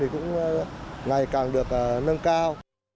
thì cũng ngày càng được nâng cao